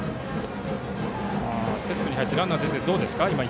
セットに入ってランナーが出て、どうでしょう。